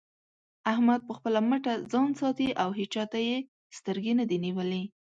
احمد په خپله مټه ځان ساتي او هيچا ته يې سترګې نه دې نيولې.